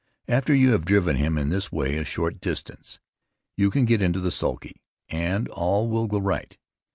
After you have driven him in this way a short distance, you can get into the sulky, and all will go right.